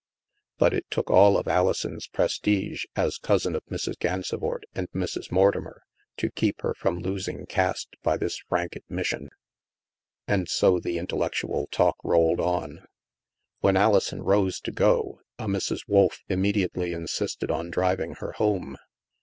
But it took all of Alison's prestige, as cousin of Mrs. Gansevoort and Mrs. Mortimer, to keep her from losing caste by this frank admission. And so the intellectual talk rolled on. When Alison rose to go, a Mrs. Wolf immediately insisted on driving her home.